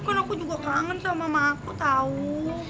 kan aku juga kangen sama mama aku tau